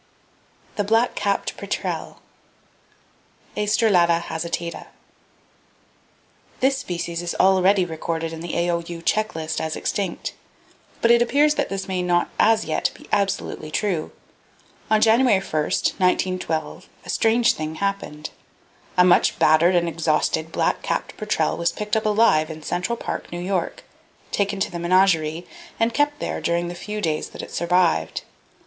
The Black Capped Petrel, (Aestrelata hasitata). —This species is already recorded in the A.O.U. "Check list" as extinct; but it appears that this may not as yet be absolutely true. On January 1, 1912, a strange thing happened. A much battered and exhausted black capped petrel was picked up alive in Central Park, New York, taken to the menagerie, and kept there during the few days that it survived.